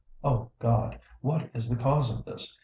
O God! what is the cause of this?